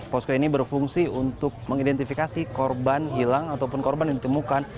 posko ini berfungsi untuk mengidentifikasi korban hilang ataupun korban yang ditemukan